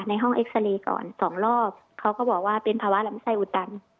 ห้องเอ็กซาเรย์ก่อนสองรอบเขาก็บอกว่าเป็นภาวะลำไส้อุดตัน